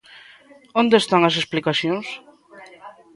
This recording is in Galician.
¿Onde están as explicacións?